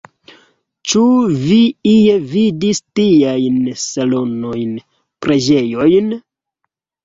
Ĉu vi ie vidis tiajn salonojn, preĝejojn?